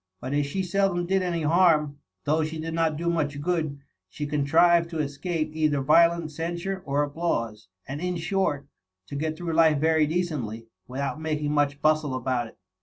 But as she seldom did any harm, though she did not do much good, she contrived to escape either violent censure or applause ; and in short, to get through life very decently, without making much bjistle about it.